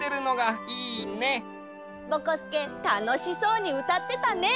ぼこすけたのしそうにうたってたね！